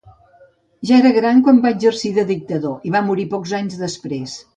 Ja era gran quan va exercir de dictador i va morir pocs anys després.